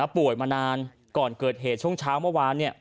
ป่วยมานานก่อนเกิดเหตุช่วงเช้าเมื่อวาน